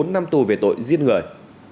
một mươi bốn năm tù về tội giết người